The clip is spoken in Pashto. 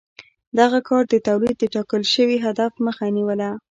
دغه کار د تولید د ټاکل شوي هدف مخه نیوله.